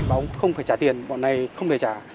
anh báo không phải trả tiền bọn này không thể trả